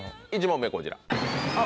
１問目こちら。